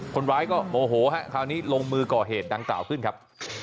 คนร้ายก็โมโหฮะคราวนี้ลงมือก่อเหตุดังกล่าวขึ้นครับ